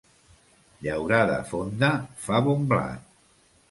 Llaurada fonda fa bon blat.